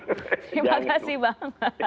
terima kasih bang